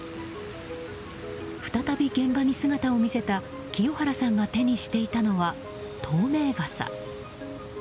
再び現場に姿を見せた清原さんが手にしていたのは透明傘。